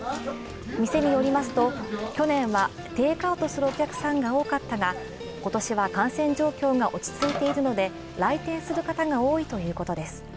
店によりますと、去年はテイクアウトするお客さんが多かったが今年は感染状況が落ち着いているので来店する方が多いということです。